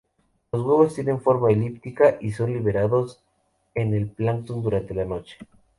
Los huevos tienen forma elíptica y son liberados en el plancton durante la noche.